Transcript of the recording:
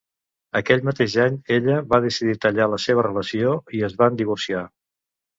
Aquell mateix any ella va decidir tallar la seva relació i es van divorciar.